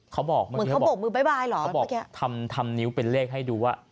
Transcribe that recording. เขาบอกเหมือนเขาบอกมือบ๊ายบายเหรอเขาบอกทำทำนิ้วเป็นเลขให้ดูอะ